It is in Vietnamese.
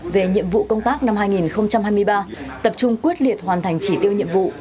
về nhiệm vụ công tác năm hai nghìn hai mươi ba tập trung quyết liệt hoàn thành chỉ tiêu nhiệm vụ